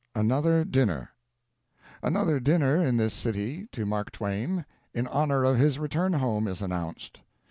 Another Dinner. Another dinner in this city to Mark Twain in honor of his return home is announced.